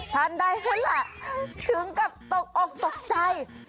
ทันได้เห็นล่ะถึงกับตกออกตกใจ